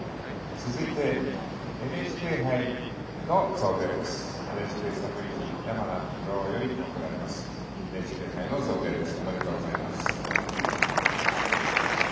続いてＮＨＫ杯の贈呈です。